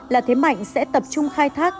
là thế mạnh sẽ tập trung khai thác